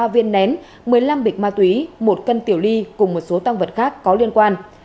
một trăm một mươi ba viên nén một mươi năm bịch ma túy một cân tiểu ly cùng một số tăng vật khác có liên quan